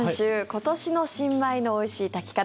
今年の新米のおいしい炊き方。